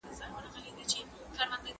د ماشومانو ذهنونه د سپین کاغذ په څېر دي.